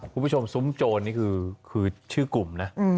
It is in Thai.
คุณผู้ชมซุ้มโจนนี่คือชื่อกลุ่มนะ